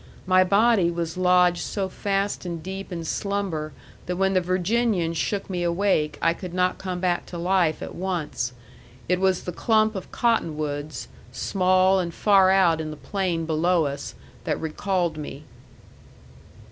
My body was lodged so fast and deep in slumber that when the Virginian shook me awake I could not come back to life at once; it was the clump of cottonwoods, small and far out in the plain below us, that recalled me.